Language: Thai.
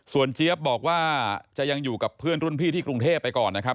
เจี๊ยบบอกว่าจะยังอยู่กับเพื่อนรุ่นพี่ที่กรุงเทพไปก่อนนะครับ